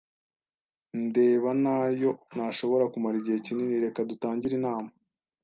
ndeba nayo ntashobora kumara igihe kinini reka dutangire inama.